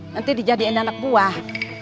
nanti dijadikan anak buah